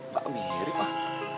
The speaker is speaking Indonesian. gak mirip lah